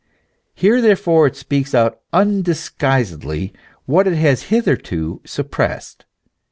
Here there fore it speaks out undisguisedly what it has hitherto suppressed.